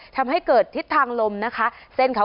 ทำให้เกิดทิศทางลมนะคะ